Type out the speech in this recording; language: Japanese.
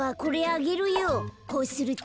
こうすると。